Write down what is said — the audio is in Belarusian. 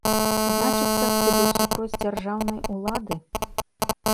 Значыцца, ты быў супроць дзяржаўнай улады?